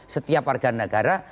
setiap warga negara